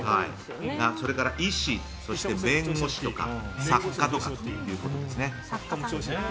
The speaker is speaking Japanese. それから医師、弁護士とか作家とかということですね。